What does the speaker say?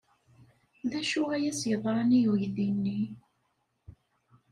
D acu ay as-yeḍran i uydi-nni?